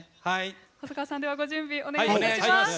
細川さんではご準備お願いします。